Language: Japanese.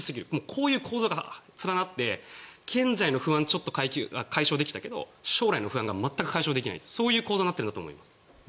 こういう構造がつながって経済の不安をちょっと解消できたけど将来の不安が全く解消できないそういう構造になっていると思います。